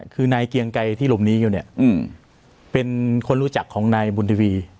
คือนายเกียงไกรที่หลบหนีอยู่เนี่ยเป็นคนรู้จักของนายบุญทีวี